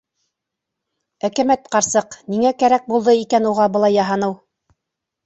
Әкәмәт ҡарсыҡ - ниңә кәрәк булды икән уға былай яһаныу?!.